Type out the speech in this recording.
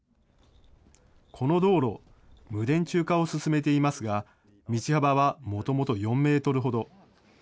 この道路、無電柱化を進めていますが、道幅はもともと４メートルほど。